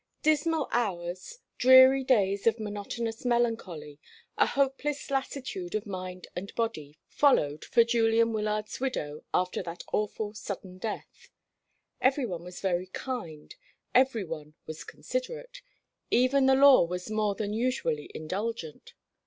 Dismal hours, dreary days of monotonous melancholy, a hopeless lassitude of mind and body, followed for Julian Wyllard's widow after that awful sudden death. Every one was very kind; every one was considerate; even the law was more than usually indulgent.